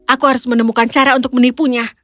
aku harus menemukan cara untuk menipunya